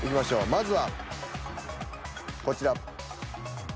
まずはこちら。